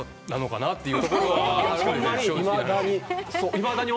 いまだに。